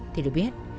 thì được biết